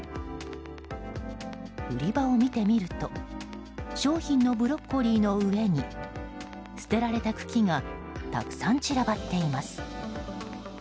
売り場を見てみると商品のブロッコリーの上に捨てられた茎がたくさん散らばっています。